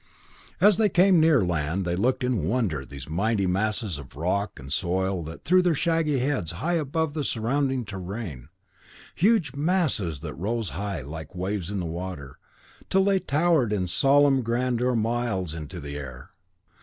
And as they came near land, they looked in wonder at mighty masses of rock and soil that threw their shaggy heads high above the surrounding terrain, huge masses that rose high, like waves in the water, till they towered in solemn grandeur miles into the air!